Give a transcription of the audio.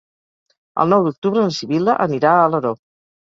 El nou d'octubre na Sibil·la anirà a Alaró.